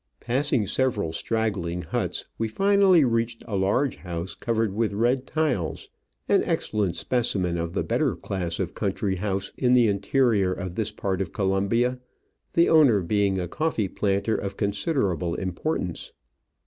Passing several straggling huts, we finally reached a large house covered with red tiles, an excellent specimen of the better class of country house in the interior of this part of Colombia, the owner being a coffee planter of considerable importance.